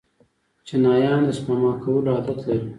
چینایان د سپما کولو عادت لري.